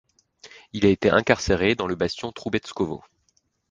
Il a été incarcéré dans le bastion Troubetskovo.